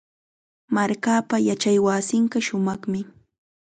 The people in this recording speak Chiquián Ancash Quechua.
Markaapa yachaywasinqa shumaqmi.